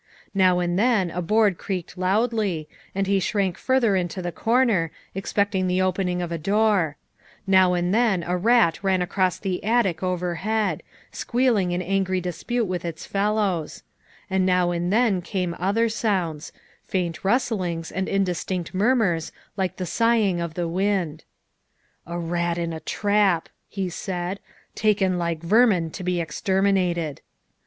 Now and then a board creaked loudly and he shrank further into the corner, expecting the opening of the door ; now and then a rat ran across the attic overhead, squealing in angry dispute with its fellows; and now and then came other sounds faint rustlings and indistinct mur murs like the sighing of the wind. "A rat in a trap," he said, " taken like vermin to be exterminated."